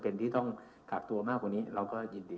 เดี๋ยวมันค่ำแล้ว